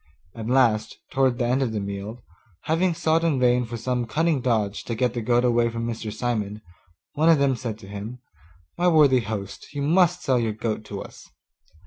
At last, towards the end of the meal, having sought in vain for some cunning dodge to get the goat away from Mr. Simon, one of them said to him, 'My worthy host, you must sell your goat to us.